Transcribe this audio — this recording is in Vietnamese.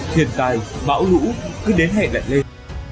thiền tài bão lũ cứ đến hẹn lẹn lên